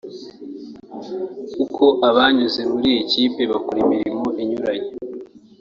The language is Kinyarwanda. Kuko abanyuze muri iyi kipe bakora imirimo inyuranye